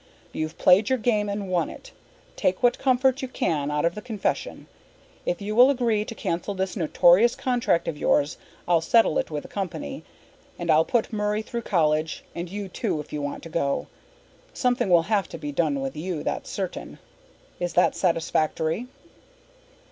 You've played your game and won it take what comfort you can out of the confession: If you will agree to cancel this notorious contract of yours I'll settle it with the company and I'll put Murray through college and you too if you want to go! Something will have to be done with you, that's certain. Is this satisfactory?"